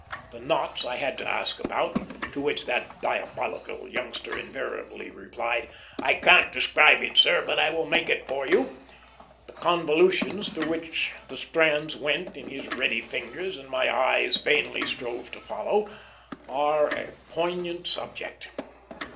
The knots I had to ask about to which that diabolical youngster invariably replied, "I can't describe it, sir, but I will make it for you" the convolutions through which the strands went in his ready fingers, and my eyes vainly strove to follow, are a poignant subject.